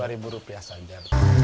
hanya dua ribu rupiah saja